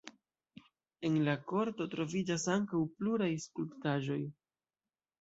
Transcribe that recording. En la korto troviĝas ankaŭ pluraj skulptaĵoj.